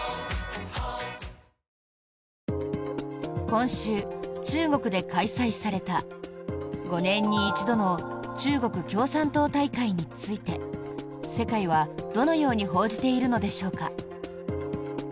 今週、中国で開催された５年に一度の中国共産党大会について世界は、どのように報じているのでしょうか？